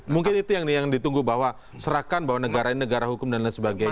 mungkin itu yang ditunggu bahwa serahkan bahwa negara ini negara hukum dan lain sebagainya